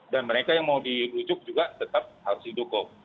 dan mereka yang mau dirujuk juga tetap harus didukung